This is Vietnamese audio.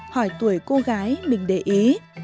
hỏi tuổi cô gái mình để ý